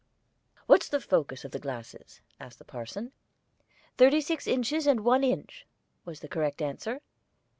"What's the focus of the glasses?" asked the parson. "Thirty six inches and one inch," was the correct answer.